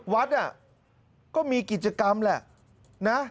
วัดเนี่ยก็มีกิจกรรมแหละนะ